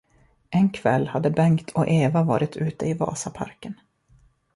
En kväll hade Bengt och Eva varit ute i Vasaparken.